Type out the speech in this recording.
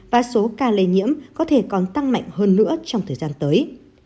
và số ca lây nhiễm có thể còn tăng mạnh hơn nữa trong thời gian tới